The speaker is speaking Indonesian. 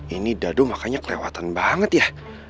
ini dadu makanya kelewatan banget ya